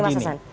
jadi begini nih